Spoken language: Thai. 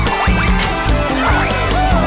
ออฟาจอร์